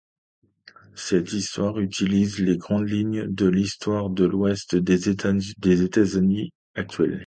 Cette histoire utilise les grandes lignes de l'histoire de l'ouest des États-Unis actuels.